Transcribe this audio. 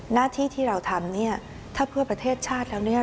หน้าที่ที่เราทำเนี่ยถ้าเพื่อประเทศชาติแล้วเนี่ย